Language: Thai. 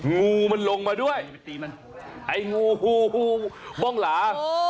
งูมันลงมาด้วยไอ้งูบ้องหลา